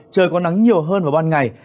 trời còn nắng nhiều hơn vào ban ngày